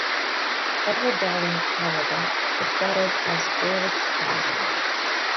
Edward Daly, however is thought of as World's founder.